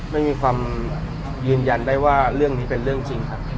ไม่มีความยืนยันได้ว่าเรื่องนี้เป็นเรื่องจริงครับ